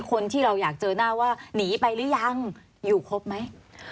คนที่เราอยากเจอหน้าว่าหนีไปหรือยังอยู่ครบไหม